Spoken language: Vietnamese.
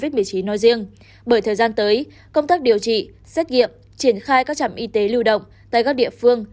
bởi thời gian tới công tác điều trị xét nghiệm triển khai các trạm y tế lưu động tại các địa phương